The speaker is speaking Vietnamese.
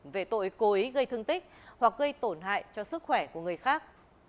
về tội cố ý gây thương tích hoặc gây tổn hại cho sức khỏe của người khác